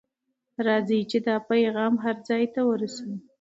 راځئ چې دا پیغام هر ځای ته ورسوو.